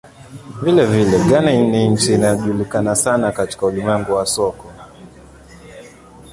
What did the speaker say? Vilevile, Ghana ni nchi inayojulikana sana katika ulimwengu wa soka.